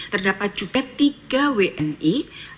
terdapat juga tiga wni